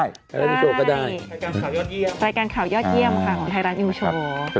นี่แล้วพอสายรถกระดาษให้น้องหวานนี้